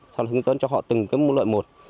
sau đó hướng dẫn cho họ từng cái môn loại một